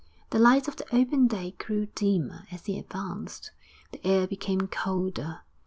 The light of the open day grew dimmer as he advanced, the air became colder.